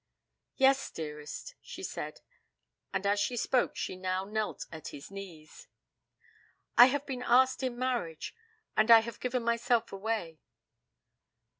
'Yes, dearest,' she said; and as she spoke, she now knelt at his knees. 'I have been asked in marriage, and I have given myself away.'